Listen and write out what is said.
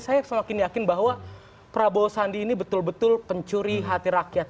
saya semakin yakin bahwa prabowo sandi ini betul betul pencuri hati rakyat